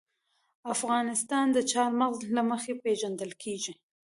افغانستان د چار مغز له مخې پېژندل کېږي.